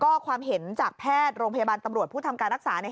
ก็ความเห็นจากแพทย์โรงพยาบาลตำรวจผู้ทำการรักษาเนี่ย